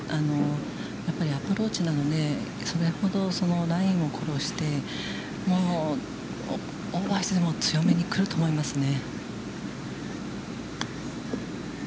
やっぱりアプローチなので、それほどラインを殺して、オーバーしてでも、強めに来ると思いますね。